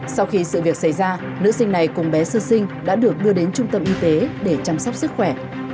sau khi sự việc xảy ra nữ sinh này cùng bé sơ sinh đã được đưa đến trung tâm y tế để chăm sóc sức khỏe